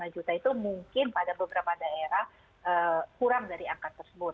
dua puluh satu lima juta itu mungkin pada beberapa daerah kurang dari angka tersebut